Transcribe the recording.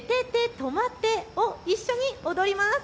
とまって！を一緒に踊ります。